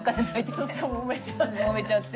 ちょっともめちゃって。